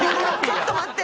ちょっと待って。